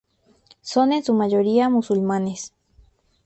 Son en su mayoría musulmanes.